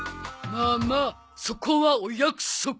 まあまあそこはお約束。